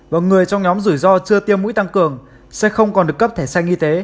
và người trong nhóm rủi ro chưa tiêm mũi tăng cường sẽ không còn được cấp thẻ xanh y tế